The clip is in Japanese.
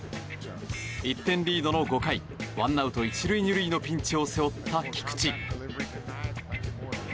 １点リードの５回ワンアウト１塁２塁のピンチを背負った菊池。